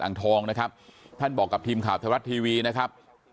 อ่างทองนะครับท่านบอกกับทีมข่าวไทยรัฐทีวีนะครับ